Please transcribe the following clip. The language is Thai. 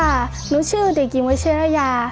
สวัสดีค่ะหนูชื่อเด็กหญิงวัชยรายา